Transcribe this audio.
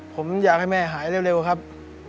ผมอยากให้แม่หายเร็วครับ